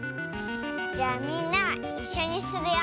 じゃみんないっしょにするよ。